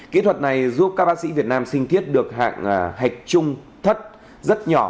kỹ thuật này giúp các bác sĩ việt nam sinh thiết được hạng hạch trung thất rất nhỏ